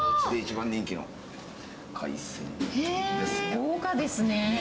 豪華ですね。